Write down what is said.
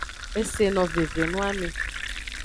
E se no veve noame.